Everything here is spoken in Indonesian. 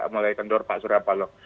mulai kendor pak surabalo